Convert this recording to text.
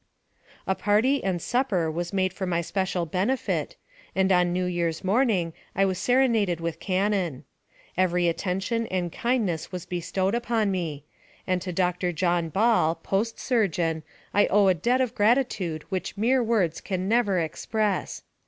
A party and supper was made for my special benefit, and on New Year's morning I was serenaded with can non. Every attention and kindness was bestowed upon me ; and to Dr. John Ball, post surgeon, I owe a debt of gratitude which mere words can never express.